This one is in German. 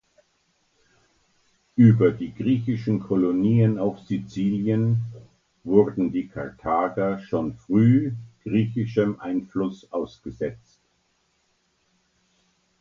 Über die griechischen Kolonien auf Sizilien wurden die Karthager schon früh griechischem Einfluss ausgesetzt.